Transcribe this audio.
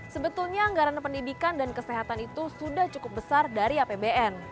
sebetulnya anggaran pendidikan dan kesehatan itu sudah cukup besar dari apbn